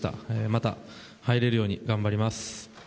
また、入れるように頑張ります。